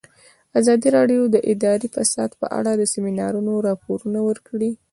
ازادي راډیو د اداري فساد په اړه د سیمینارونو راپورونه ورکړي.